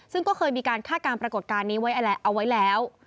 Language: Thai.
ซึ่งก็เคยมีการคาดการณ์ปรากฏการณ์นี้ไว้แล้ว